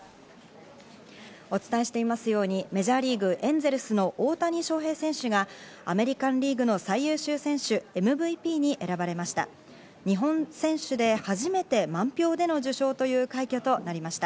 お伝えしていますようにメジャーリーグ、エンゼルスの大谷翔平選手がアメリカン・リーグの最優秀選手、ＭＶＰに選ばれました。